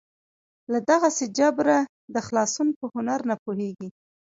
له دغسې جبره د خلاصون په هنر نه پوهېږي.